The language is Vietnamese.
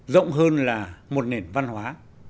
rộng hơn là một nền văn hóa